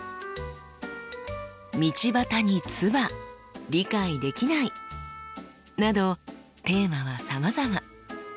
「道端に唾理解できない」などテーマはさまざま。